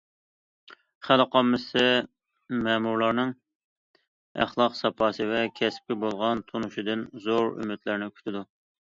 خەلق ئاممىسى مەمۇرلارنىڭ ئەخلاق ساپاسى ۋە كەسپىگە بولغان تونۇشىدىن زور ئۈمىدلەرنى كۈتىدۇ.